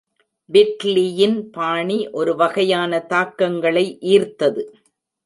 விட்லியின் பாணி ஒரு வகையான தாக்கங்களை ஈர்த்தது.